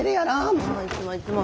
もういつもいつも。